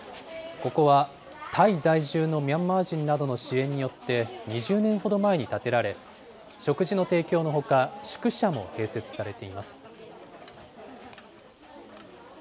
ここはタイ在住のミャンマー人などの支援によって、２０年ほど前に建てられ、食事の提供のほか、宿舎も併設されています。